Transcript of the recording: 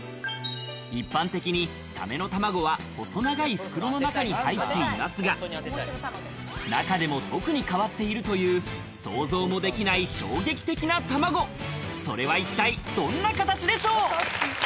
一般的にサメの卵は細長い袋の中に入っていますが、中でも特に変わっているという想像もできない衝撃的な卵、それは一体どんな形でしょう？